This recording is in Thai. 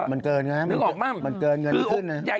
มันเกินไงมันเกินเงินไม่ขึ้น